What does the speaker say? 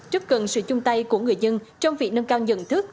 rất cần sự chung tay của người dân trong việc nâng cao nhận thức